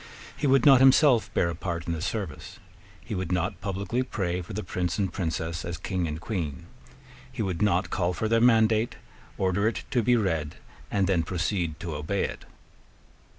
He would not himself bear a part in the service. He would not publicly pray for the Prince and Princess as King and Queen. He would not call for their mandate, order it to be read, and then proceed to obey it.